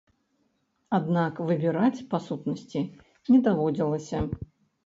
Аднак выбіраць, па сутнасці, не даводзілася.